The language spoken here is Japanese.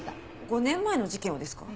５年前の事件をですか？